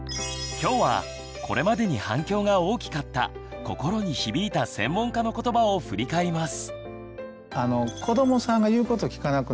今日はこれまでに反響が大きかった心に響いた専門家のことばを振り返ります。